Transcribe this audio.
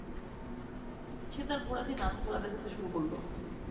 সে তার ঘোড়া নিয়ে নানান খেলা দেখাতে শুরু করল।